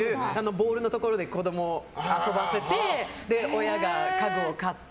ボールのところで子供を遊ばせて親が家具を買って。